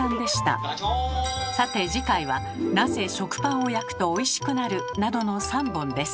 さて次回は「なぜ食パンを焼くとおいしくなる」などの３本です。